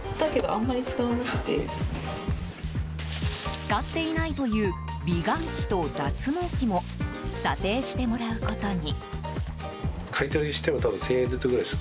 使っていないという美顔器と脱毛器も査定してもらうことに。